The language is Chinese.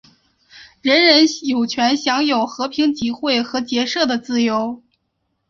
人人有权享有和平集会和结社的自由。